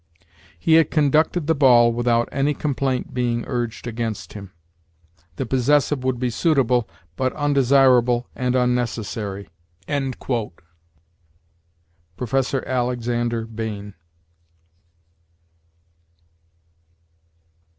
'He had conducted the ball without any complaint being urged against him.' The possessive would be suitable, but undesirable and unnecessary." Professor Alexander Bain.